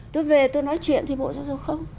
tôi về tôi nói chuyện thì bộ giáo dục không